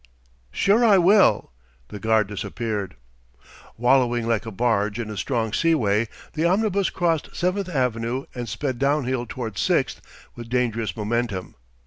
"Sure I will!" The guard disappeared. Wallowing like a barge in a strong seaway, the omnibus crossed Seventh Avenue and sped downhill toward Sixth with dangerous momentum.